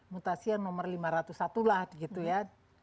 mutasi yang nomor lima ratus satu lah gitu ya